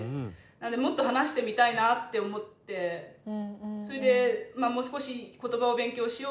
もっと話してみたいなって思ってそれでもう少し言葉を勉強しよう